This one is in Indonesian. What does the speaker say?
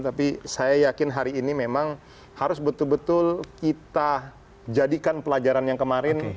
tapi saya yakin hari ini memang harus betul betul kita jadikan pelajaran yang kemarin